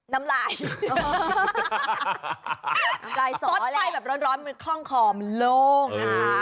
น้ำลายสอกแล้วกันแบบร้อนคล่องขอบล้มไล่